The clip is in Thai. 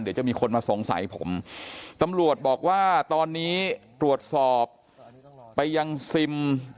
เดี๋ยวจะมีคนมาสงสัยผมตำรวจบอกว่าตอนนี้ตรวจสอบไปยังซิม